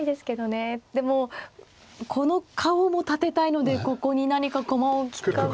でもこの顔も立てたいのでここに何か駒を利かす。